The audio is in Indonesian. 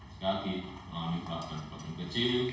sekali lagi melalui pelabuhan pelabuhan kecil